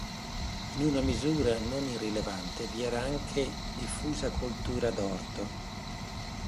In una misura non irrilevante, vi era anche diffusa coltura ad orto.